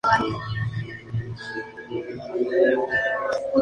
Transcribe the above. Apoyado por una facción trotskista, adoptó una actitud más combativa.